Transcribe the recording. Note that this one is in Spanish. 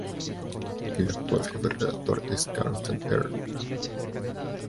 El actual jefe redactor es Carsten Erdmann.